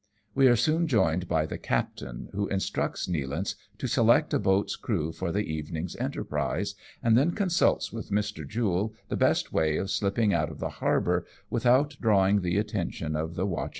We are soon joined by the captain, who instructs Nealance to select a boat's crew for the evening's enterprise, and then consults with Mr. Jule the best way of slipping out of the harbour, without drawing the attention of the watch rgS AMONG TYPHOONS AND PIRATE CRAFT.